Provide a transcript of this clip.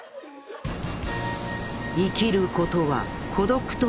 生きることは孤独との戦い。